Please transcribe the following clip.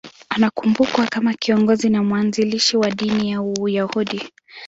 Anakumbukwa kama kiongozi na mwanzilishi wa dini ya Uyahudi.